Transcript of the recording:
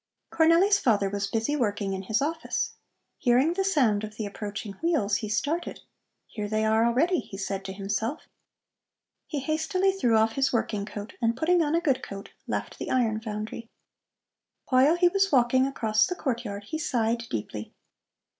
Cornelli's father was busy working in his office. Hearing the sound of the approaching wheels, he started. "Here they are already," he said to himself. He hastily threw off his working coat and putting on a good coat left the iron foundry. While he was walking across the courtyard he sighed deeply.